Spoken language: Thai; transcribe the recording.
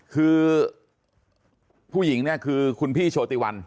คือผู้หญิงเนี่ยคือคุณพี่โชติวัน